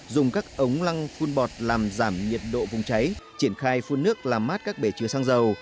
dùng các ống lăng phun bọt làm giảm nhiệt độ vùng cháy triển khai phun nước làm mát các bể chứa xăng dầu